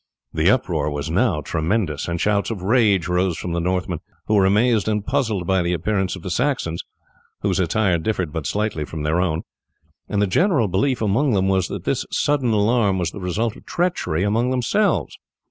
The uproar was now tremendous; and shouts of rage rose from the Northmen, who were amazed and puzzled by the appearance of the Saxons, whose attire differed but slightly from their own; and the general belief among them was that this sudden alarm was the result of treachery among themselves.